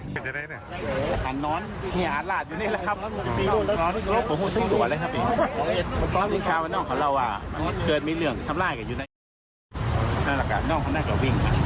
ผมคงซึ่งหัวเลยครับ